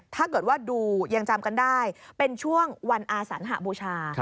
ถ้าเกิดว่าดูยังจำกันได้เป็นช่วงวันอาสันหบูชา